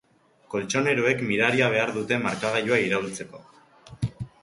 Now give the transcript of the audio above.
Koltxoneroek miraria behar dute markagailua iraultzeko.